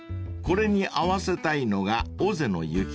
［これに合わせたいのが］